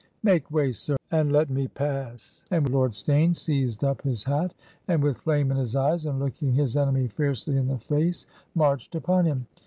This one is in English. Make way, sir, and let me pass ;' and Lord Steyne seized up his hat, and with flame in his eyes, and looking his enemy fiercely in the face, marched upon him.